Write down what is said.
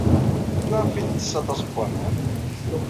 Maɣef ay tettes aṭas n waman?